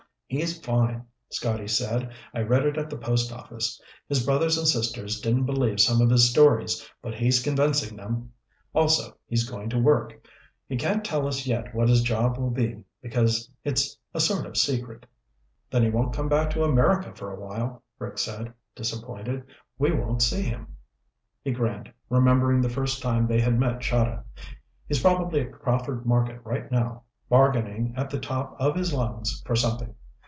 "He's fine," Scotty said. "I read it at the post office. His brothers and sisters didn't believe some of his stories, but he's convincing them. Also, he's going to work. He can't tell us yet what his job will be, because it's a sort of secret." "Then he won't come back to America for a while," Rick said, disappointed. "We won't see him." He grinned, remembering the first time they had met Chahda. "He's probably at Crawford Market right now, bargaining at the top of his lungs for something."